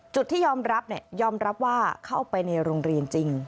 ที่ยอมรับยอมรับว่าเข้าไปในโรงเรียนจริง